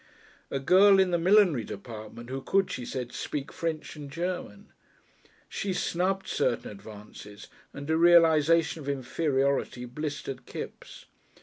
A girl arrived in the millinery department who could, she said, speak French and German. She snubbed certain advances, and a realisation of inferiority blistered Kipps.